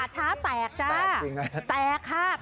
หลบ